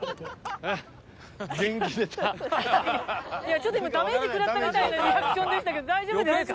ちょっと今ダメージ食らったみたいなリアクションでしたけど大丈夫ですか？